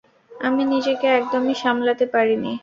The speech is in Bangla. আমি নিজেকে একদমই সামলাতে পারিনি!